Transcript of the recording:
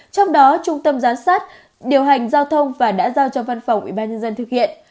trong đó trung tâm gián sát điều hành giao thông và đã giao cho văn phòng ủy ban nhân dân thực hiện